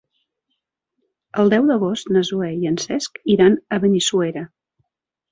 El deu d'agost na Zoè i en Cesc iran a Benissuera.